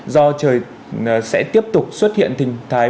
do trời sẽ tiếp tục xuất hiện tình thái